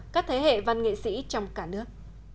các thế hệ văn nghệ sĩ trong cả nước